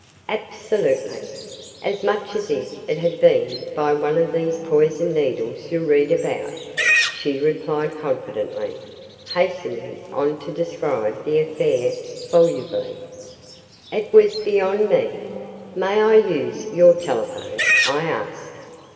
"Absolutely as much as if it had been by one of these poisoned needles you read about," she replied confidently, hastening on to describe the affair volubly. It was beyond me. "May I use your telephone?" I asked.